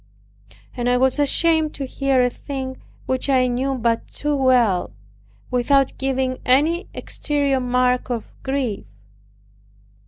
And I was ashamed to hear a thing which I knew but too well, without giving any exterior mark of grief.